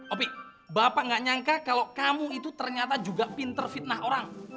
opi bapak gak nyangka kalau kamu itu ternyata juga pinter fitnah orang